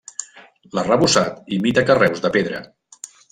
L'arrebossat imita carreus de pedra.